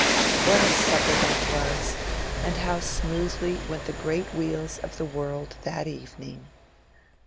What a supper that was, and how smoothly went the great wheels of the world that evening!